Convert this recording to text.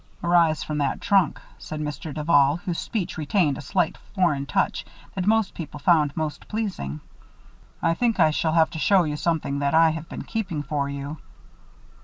"Arise from that trunk," said Mr. Duval, whose speech retained a slight foreign touch that most people found most pleasing. "I think I shall have to show you something that I have been keeping for you."